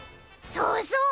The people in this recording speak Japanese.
そうそう！